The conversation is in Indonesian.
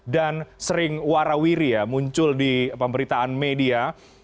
dan sering warawiri ya muncul di pemberitaan media